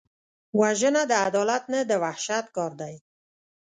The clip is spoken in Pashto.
وژنه د عدالت نه، د وحشت کار دی